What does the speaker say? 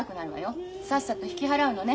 さっさと引き払うのね。